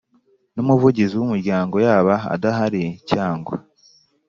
n umuvugizi w Umuryango yaba adahari cyangwa